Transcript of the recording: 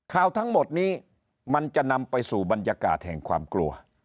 ข่าวทั้งหมดนี้มันจะนำไปสู่บรรยากาศแห่งความกลัว